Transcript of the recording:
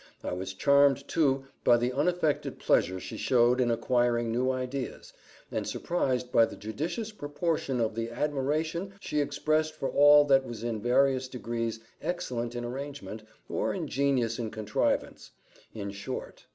I was charmed too by the unaffected pleasure she showed in acquiring new ideas, and surprised by the judicious proportion of the admiration she expressed for all that was in various degrees excellent in arrangement, or ingenious in contrivance: in short....